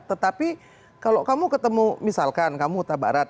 tetapi kalau kamu ketemu misalkan kamu huta barat